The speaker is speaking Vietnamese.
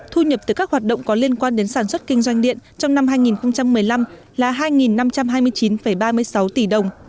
thu nhập từ các hoạt động có liên quan đến sản xuất kinh doanh điện trong năm hai nghìn một mươi năm là hai năm trăm hai mươi chín ba mươi sáu tỷ đồng